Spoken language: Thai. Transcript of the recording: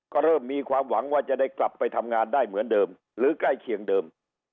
ก็เริ่มมีความหวังว่าจะได้กลับไปทำงานได้เหมือนเดิมหรือใกล้เคียงเดิม